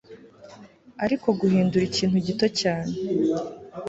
ariko guhindura ikintu gito cyane